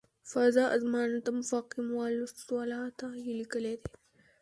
"فاذا اظماننتم فاقیموالصلواته" یې لیکلی دی.